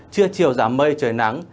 trưa chiều giảm mây trời nắng